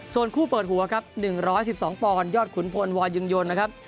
ส่วนคู่เปิดหัวครับ๑๑๒ปอนดยอดขุนพลวอยึงยนนะครับ